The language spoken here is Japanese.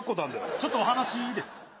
ちょっとお話いいですか？